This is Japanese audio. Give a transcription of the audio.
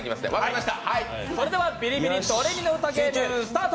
それでは「ビリビリ！ドレミの歌ゲーム」スタート！